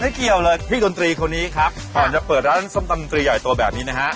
เกี่ยวเลยพี่ดนตรีคนนี้ครับก่อนจะเปิดร้านส้มตำดนตรีใหญ่ตัวแบบนี้นะฮะ